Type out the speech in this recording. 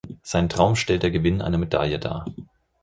Sein Traum stellt der Gewinn einer Medaille dar.